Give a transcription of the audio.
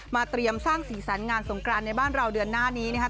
เตรียมสร้างสีสันงานสงกรานในบ้านเราเดือนหน้านี้นะครับ